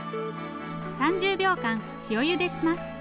３０秒間塩ゆでします。